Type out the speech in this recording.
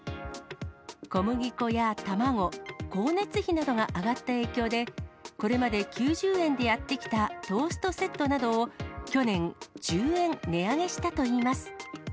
小麦粉や卵、光熱費などが上がった影響で、これまで９０円でやってきたトーストセットなどを去年、１０円値上げしたといいます。